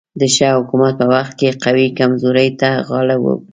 د ښه حکومت په وخت کې قوي کمزورو ته غاړه ږدي.